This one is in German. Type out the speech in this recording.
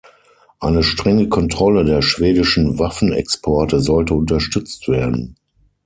Eine strenge Kontrolle der schwedischen Waffenexporte sollte unterstützt werden.